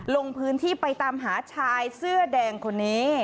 ลงพื้นที่ไปตามหาชายเสื้อแดงคนนี้